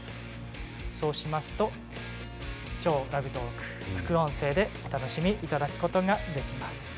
そうしますと、「超ラグトーク」副音声でお楽しみいただくことができます。